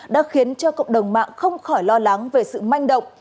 đã khiến cho cộng đồng mạng không khỏi lo lắng về sự manh động